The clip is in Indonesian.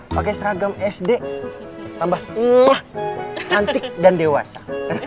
pakai seragam sd tambah antik dan dewasa